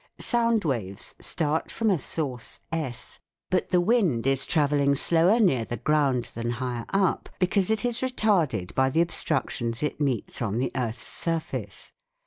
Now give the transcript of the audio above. Sound waves start from a source S, but the wind is travelling slower near the ground than higher up, because it is retarded by the 190 THE WORLD OF SOUND obstructions it meets on the earth's surface.